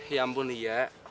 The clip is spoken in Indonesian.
ya ampun lia